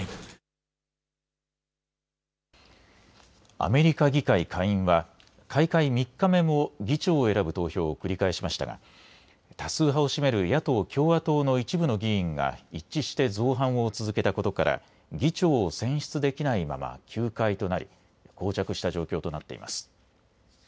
アメリカ議会下院は開会３日目も議長を選ぶ投票を繰り返しましたが多数派を占める野党・共和党の一部の議員が一致して造反を続けたことから議長を選出できないまま休会となりこう着した状況となっています。